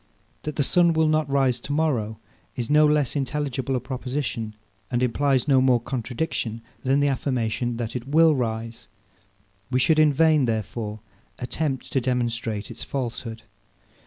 That the sun will not rise to morrow is no less intelligible a proposition, and implies no more contradiction than the affirmation, that it will rise. We should in vain, therefore, attempt to demonstrate its falsehood.